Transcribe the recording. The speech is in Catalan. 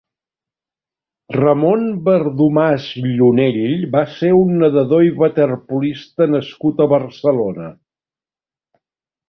Ramon Berdomàs Llunell va ser un nedador i waterpolista nascut a Barcelona.